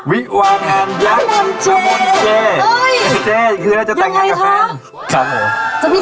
พี่เจ๊คือจะแต่งดังกับแฟน